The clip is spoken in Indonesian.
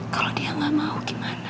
kalau dia nggak mau gimana